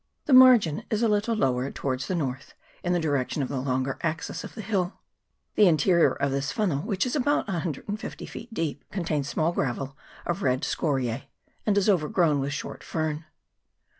The margin is a little lower towards the north, in the direction of the longer axis of the hill. The interior of this funnel, which is about 150 feet deep, contains small gravel of red scoriae, and is overgrown with short fern.